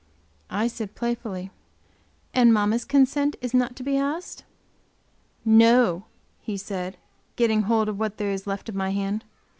I said playfully: "And mamma's consent is not to be asked?" "No," he said, getting hold of what there is left of my hand.